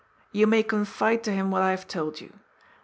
You may confide to him what I have told you.